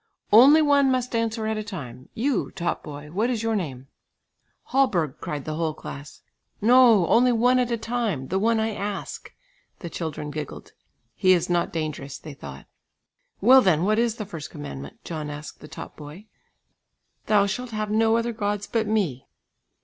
"Only one must answer at a time. You, top boy what is your name?" "Hallberg," cried the whole class. "No, only one at a time, the one I ask." The children giggled. "He is not dangerous," they thought. "Well, then, what is the first commandment?" John asked the top boy. "Thou shalt have no other gods but Me."